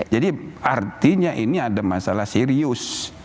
jadi artinya ini ada masalah serius